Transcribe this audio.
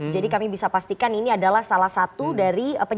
jadi kami bisa pastikan ini adalah salah satu dari penyelidikan